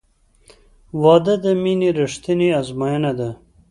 • واده د مینې رښتینی ازموینه ده.